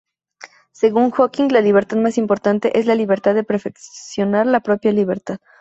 Según Hocking, la libertad más importante es la libertad de perfeccionar la propia libertad.